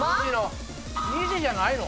２字じゃないの？